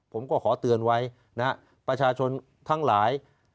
ผมก็ขอเตือนไว้นะฮะประชาชนทั้งหลาย